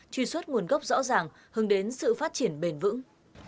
truy xuất nguồn gốc rõ ràng hướng đến sự phát triển bền vững